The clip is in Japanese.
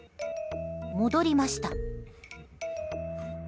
戻りました。